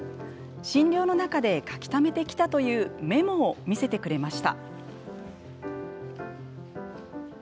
診療の中で書きためてきたというメモを見せてくれました。